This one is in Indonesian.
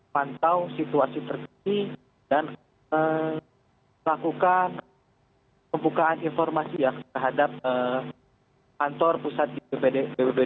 pantau situasi terjadi dan melakukan pembukaan informasi yang terhadap kantor pusat bbbd